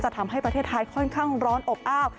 ทำให้ประเทศไทยค่อนข้างร้อนอบอ้าว